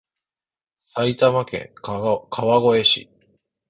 埼玉県川越市